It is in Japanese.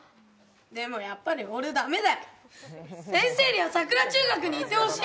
でもやっぱり俺ダメだよ先生には桜中学にいてほしい！